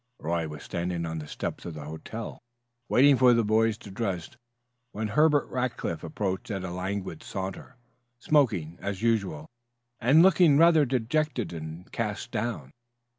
Roy was standing on the steps of the hotel, waiting for the boys to dress, when Herbert Rackliff approached at a languid saunter, smoking, as usual, and looking rather dejected and cast down.